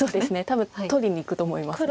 多分取りにいくと思います。